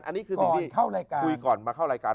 อันนี้คือสิ่งที่คุยก่อนมาเข้ารายการ